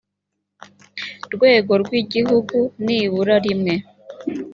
rwego rw igihugu nibura rimwe